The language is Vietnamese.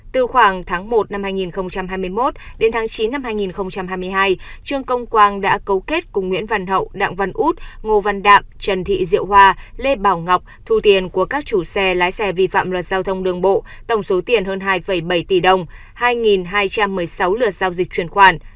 từ khoảng tháng một năm hai nghìn hai mươi một đến tháng chín năm hai nghìn hai mươi hai trương công quang đã cấu kết cùng nguyễn văn hậu đặng văn út ngô văn đạm trần thị diệu hoa lê bảo ngọc thu tiền của các chủ xe lái xe vi phạm luật giao thông đường bộ tổng số tiền hơn hai bảy tỷ đồng hai hai trăm một mươi sáu lượt giao dịch chuyển khoản